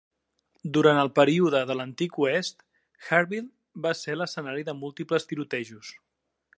Durant el període de l'Antic Oest, Hartville va ser l'escenari de múltiples tirotejos.